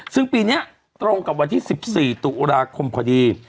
ซึ่งปีนี้ตรงกับวันที่๑๔ตุลาคมพอดี